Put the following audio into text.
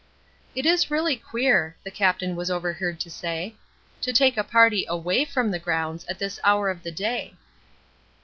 "It is really queer," the Captain was overheard to say, "to take a party away from the grounds at this hour of the day."